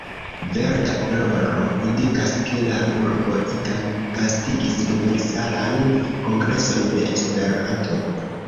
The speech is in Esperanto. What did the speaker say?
Verda koloro indikas, ke la urbo iam gastigis Universalan Kongreson de Esperanto.